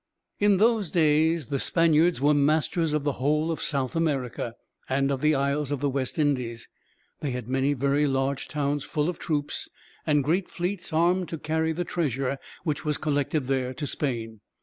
In those days the Spaniards were masters of the whole of South America, and of the Isles of the West Indies. They had many very large towns full of troops, and great fleets armed to carry the treasure which was collected there to Spain.